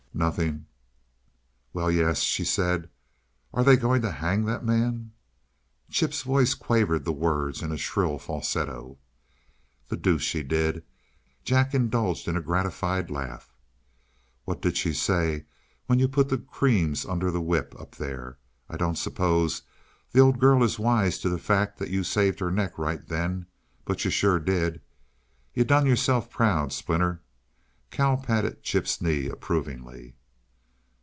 "Nothing. Well, yes, she said 'Are they going to H A N G that man?'" Chip's voice quavered the words in a shrill falsetto. "The deuce she did!" Jack indulged in a gratified laugh. "What did she say when you put the creams under the whip, up there? I don't suppose the old girl is wise to the fact that you saved her neck right then but you sure did. You done yourself proud, Splinter." Cal patted Chip's knee approvingly.